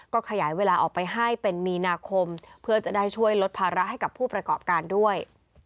ก็ขยายเวลาออกไปให้เป็นมีนาคมเพื่อจะได้ช่วยลดภาระให้กับผู้ประกอบการด้วย